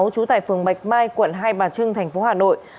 trú tại phường bạch mai quận hai bà trưng tp hà nội